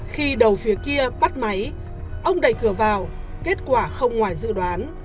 khi đầu phía kia bắt máy ông đẩy cửa vào kết quả không ngoài dự đoán